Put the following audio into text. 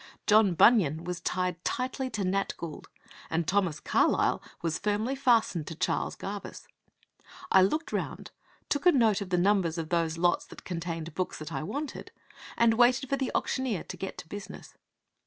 John Bunyan was tied tightly to Nat Gould, and Thomas Carlyle was firmly fastened to Charles Garvice. I looked round; took a note of the numbers of those lots that contained books that I wanted, and waited for the auctioneer to get to business.